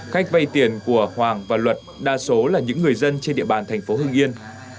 khách vay tiền của hoàng và luật đa số là những người dân trên địa bàn tp hưng yên